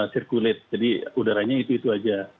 circules jadi udaranya itu itu aja